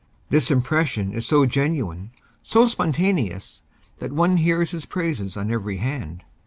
This impression is so genuine, so spontaneous, that one hears his praises on every hand.